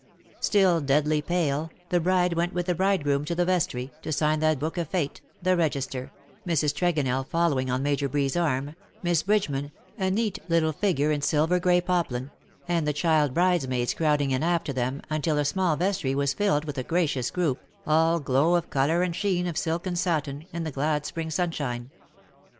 Still deadly pale^ the bride went with the bridegroom to the vestry, to sign that book of fate, the register, Mrs. Tregonell following on Major Breeds arm, Miss Bridgeman — a neat little figure in silver grey poplin — and the child bride maids crowding in after them, until the small vestry was filled with a gracious group, all glow of colour and sheen of silk and satin, in the glad spring sunshine.